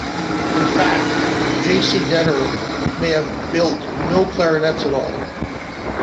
In fact, J. C. Denner may have built no clarinets at all.